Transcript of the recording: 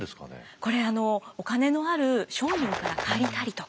これあのお金のある商人から借りたりとか。